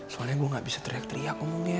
soalnya gue gak bisa teriak teriak umumnya